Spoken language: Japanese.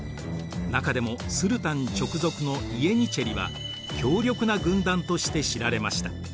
中でもスルタン直属のイエニチェリは強力な軍団として知られました。